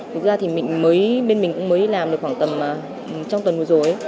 thực ra bên mình cũng mới làm được khoảng tầm trong tuần vừa rồi